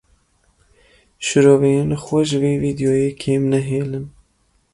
Şiroveyên xwe ji vê vîdeoyê kêm nehêlin.